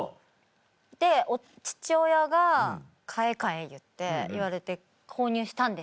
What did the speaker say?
で父親が買え買え言って言われて購入したんですよ。